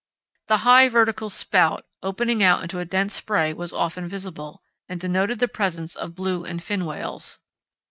The high vertical "spout" opening out into a dense spray was often visible, and denoted the presence of blue and fin whales.